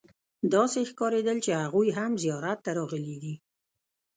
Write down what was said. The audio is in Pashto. داسې ښکارېدل چې هغوی هم زیارت ته راغلي دي.